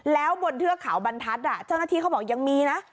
แล้วบนเทือกเขาบรรทัศน์เจ้าหน้าที่เขาบอกยังมีนะ